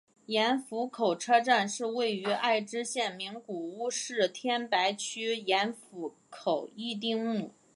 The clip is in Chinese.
盐釜口车站是位于爱知县名古屋市天白区盐釜口一丁目。